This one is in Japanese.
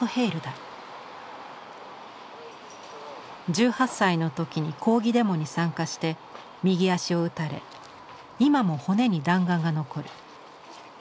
１８歳のときに抗議デモに参加して右足を撃たれ今も骨に弾丸が残る。